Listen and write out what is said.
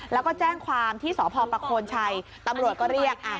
แล้วก็แจ้งความที่สพประโคนชัยตำรวจก็เรียก